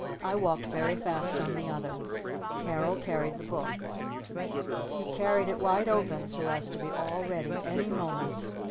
I walked very fast on the other. Carol carried the book. He carried it wide open so as to be all ready any moment.